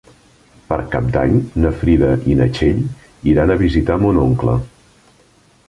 Per Cap d'Any na Frida i na Txell iran a visitar mon oncle.